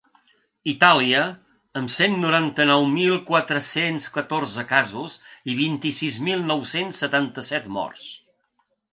Itàlia, amb cent noranta-nou mil quatre-cents catorze casos i vint-i-sis mil nou-cents setanta-set morts.